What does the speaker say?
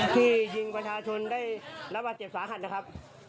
ที่ยิงประชาชนได้รับบาดเจ็บสาหัสนะครับ